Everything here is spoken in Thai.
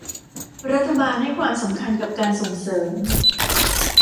รัฐบาลให้ความสำคัญกับการส่งเสริม